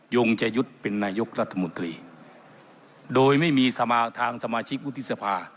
ยงจะยุทธ์เป็นนายกรัฐมนตรีโดยไม่มีสมาทางสมาชิกวุฒิสภา